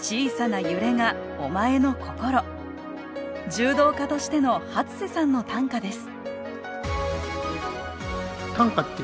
柔道家としての初瀬さんの短歌です